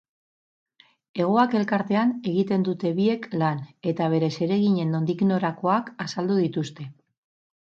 Hegoak elkartean egiten dute biek lan eta bere zereginen nondik norakoak azaldu dituzte.